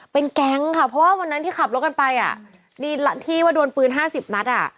เป็นแก๊งค่ะเพราะว่าวันนั้นที่ขับรถกันไปอ่ะดีที่ว่าโดนปืน๕๐นัดอ่ะ